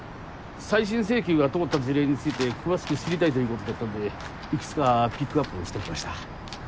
再審請求が通った事例について詳しく知りたいということだったんでいくつかピックアップしてきました。